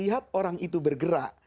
ketiga melihat orang itu bergerak